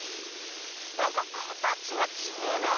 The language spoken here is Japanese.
なんか形がちげえな。